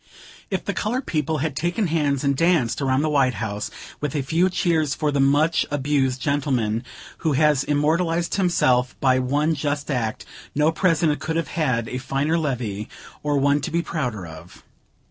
If the colored people had taken hands and danced around the White House, with a few cheers for the much abused gentleman who has immortalized himself by one just act, no President could have had a finer levee, or one to be prouder of.